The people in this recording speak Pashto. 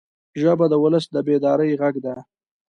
ژبه د ولس د بیدارۍ غږ ده